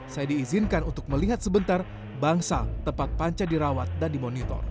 saya diizinkan untuk melihat sebentar bangsa tempat panca dirawat dan dimonitor